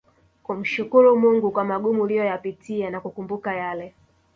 kumshukru Mungu kwa magumu uliyoyapitia na kukumbuka yale